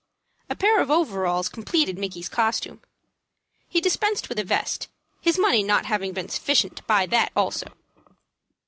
A pair of overalls completed Micky's costume. He dispensed with a vest, his money not having been sufficient to buy that also.